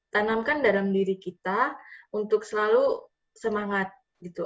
tanamkan dalam diri kita untuk selalu semangat gitu